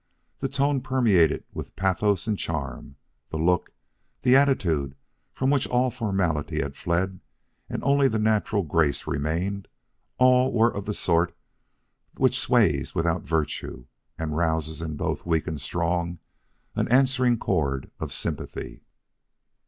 The tone permeated with pathos and charm, the look, the attitude from which all formality had fled and only the natural grace remained, all were of the sort which sways without virtue and rouses in both weak and strong an answering chord of sympathy.